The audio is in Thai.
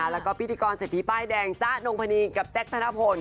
แล้วก็พิธีกรเศรษฐีป้ายแดงจ๊ะนงพนีกับแจ๊คธนพล